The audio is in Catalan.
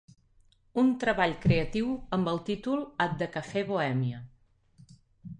Un treball creatiu amb el títol "At the Cafe Bohemia"